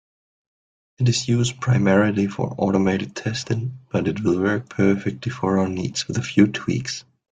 It is used primarily for automated testing, but it will work perfectly for our needs, with a few tweaks.